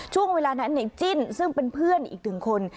ช่วงเวลานั้นเนี่ยจิ้นซึ่งเป็นเพื่อนอีก๑คน